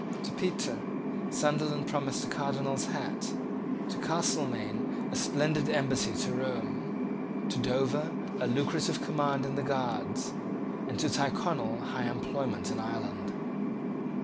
To Petre Sunderland promised a Cardinal's hat; to Castelmaine a splendid embassy to Rome; to Dover a lucrative command in the Guards; and to Tyrconnel high employment in Ireland.